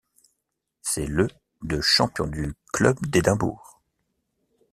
C’est le de champion du club d’Édimbourg.